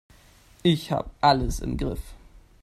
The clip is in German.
Ich habe alles im Griff.